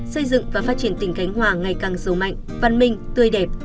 xây dựng và phát triển tỉnh cánh hòa ngày càng sâu mạnh văn minh tươi đẹp